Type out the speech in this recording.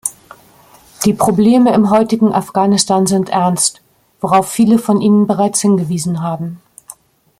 Die Probleme im heutigen Afghanistan sind ernst, worauf viele von Ihnen bereits hingewiesen haben.